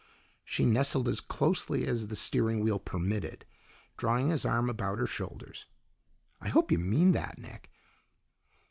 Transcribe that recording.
She nestled as closely as the steering wheel permitted, drawing his arm about her shoulders. "I hope you mean that, Nick."